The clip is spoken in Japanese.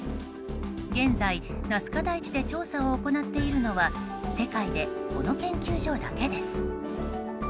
現在、ナスカ台地で調査を行っているのは世界でこの研究所だけです。